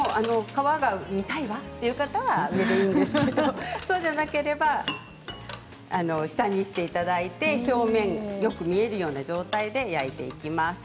皮が見たいわという方はそれでいいんですがそうじゃなければ下にしていただいて表面よく見えるような状態で焼いていきます。